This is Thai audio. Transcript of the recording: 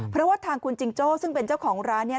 เพราะว่าทางคุณจิงโจ้ซึ่งเป็นเจ้าของร้านเนี่ย